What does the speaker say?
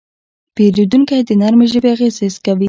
پیرودونکی د نرمې ژبې اغېز حس کوي.